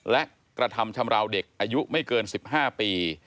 และกระทำชำราวเด็กอายุไม่เกิน๑๕ปี